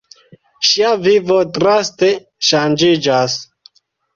Ŝia vivo draste ŝanĝiĝas.